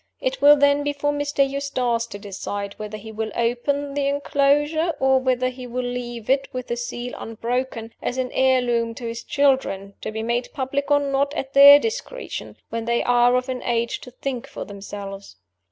It will then be for Mr. Eustace to decide whether he will open the inclosure or whether he will leave it, with the seal unbroken, as an heirloom to his children, to be made public or not, at their discretion, when they are of an age to think for themselves.